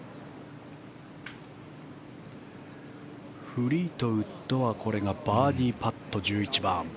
フリートウッドはこれがバーディーパット１１番。